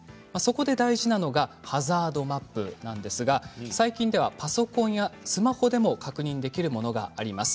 大事なのはハザードマップですが最近ではパソコンやスマホで確認できるものもあります。